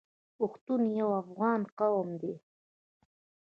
پښتون یو افغان قوم دی.